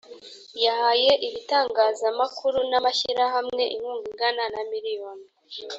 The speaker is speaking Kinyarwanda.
yahaye ibitangazamakuru n’amashyirahamwe inkunga ingana na miliyoni